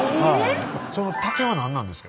その竹は何なんですか？